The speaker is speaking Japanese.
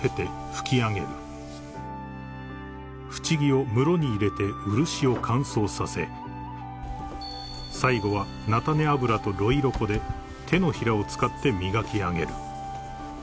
［縁木を室に入れて漆を乾燥させ最後は菜種油と呂色粉で手のひらを使って磨き上げる］